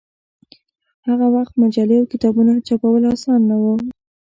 هغه وخت مجلې او کتابونه چاپول اسان نه و.